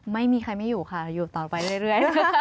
ไม่มีใครไม่อยู่ค่ะอยู่ต่อไปเรื่อย